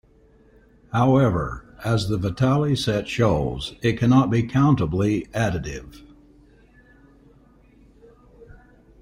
However, as the Vitali set shows, it cannot be countably additive.